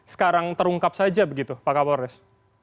sekarang terungkap saja begitu pak kapolres